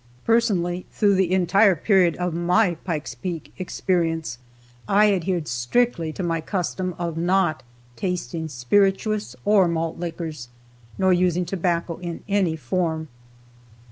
Personally, through the entire period of my "Pike's Peak" experience, I adhered strictly to my custom of not tasting spirituous or malt liquors, nor using tobacco in any form.